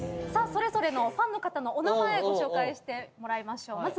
それぞれのファンの方のお名前ご紹介してもらいましょう。